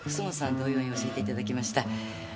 同様に教えていただきました。